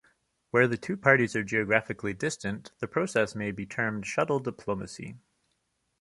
Where the two parties are geographically distant, the process may be termed shuttle diplomacy.